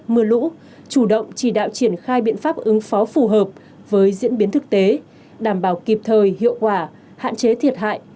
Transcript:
mưa lũ chủ động chỉ đạo triển khai biện pháp ứng phó phù hợp với diễn biến thực tế đảm bảo kịp thời hiệu quả hạn chế thiệt hại